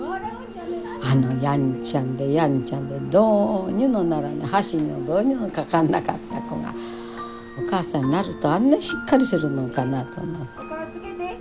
あのやんちゃでやんちゃでどうにもならない箸にも棒にもかかんなかった子がお母さんになるとあんなしっかりするもんかなと思って。